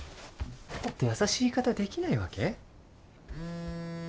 もっと優しい言い方できないわけ？